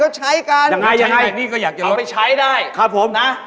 ออกไก่เห็นไหม